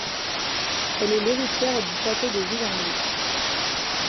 Elle est l'héritière du Château de Villandry.